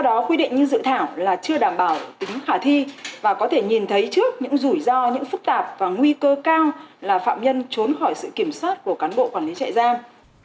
theo đó quy định như dự thảo là chưa đảm bảo tính khả thi và có thể nhìn thấy trước những rủi ro những phức tạp và nguy cơ cao là phạm nhân trốn khỏi sự kiểm soát của cán bộ quản lý trại giam